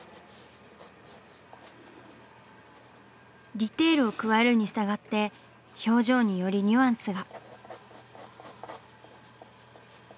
ディテールを加えるにしたがって表情によりニュアンスが。